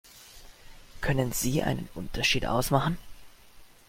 Können Sie einen Unterschied ausmachen?